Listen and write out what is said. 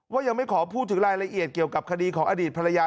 ยังไม่ขอพูดถึงรายละเอียดเกี่ยวกับคดีของอดีตภรรยา